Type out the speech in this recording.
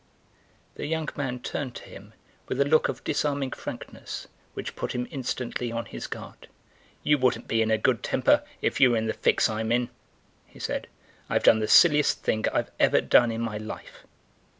The young man turned to him with a look of disarming frankness which put him instantly on his guard. "You wouldn't be in a good temper if you were in the fix I'm in," he said; "I've done the silliest thing I've ever done in my life."